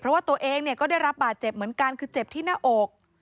เพราะว่าตัวเองเนี่ยก็ได้รับบาดเจ็บเหมือนกันคือเจ็บที่หน้าอก